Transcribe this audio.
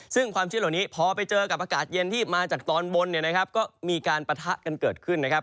ซึ่งความชื้นเหล่านี้พอไปเจอกับอากาศเย็นที่มาจากตอนบนเนี่ยนะครับก็มีการปะทะกันเกิดขึ้นนะครับ